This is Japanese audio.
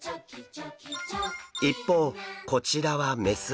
一方こちらは雌。